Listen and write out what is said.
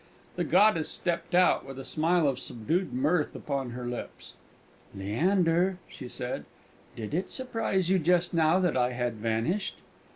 The goddess stepped out, with a smile of subdued mirth upon her lips. "Leander," she said, "did it surprise you just now that I had vanished?"